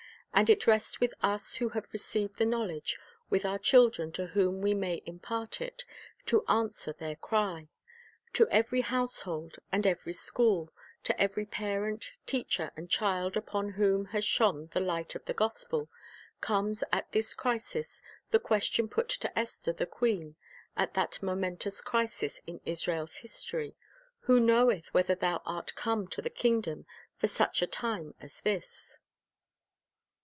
And it rests with us who have received the knowledge, with our children to whom we may impart it, to answer their cry. To every household and every school, to every parent, teacher, and child upon whom has shone the light of the gospel, comes at this crisis the question put to Esther the queen at that momentous crisis in Israel's history, "Who knoweth whether thou art come to the kingdom for such a time as this?"